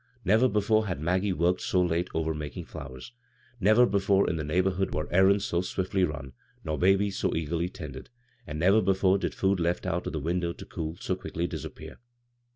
Never before had Maggie worked so late over making flowers ; never before in the neighborhood were errands so swiftly run, nor babies so eagerly tended — and never be fore did food left out the window to cool, so quickly disappear.